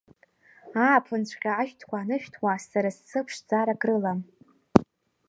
Ааԥынҵәҟьа ашәҭқәа анышәҭуа, сара сзы ԥшӡарак рылам.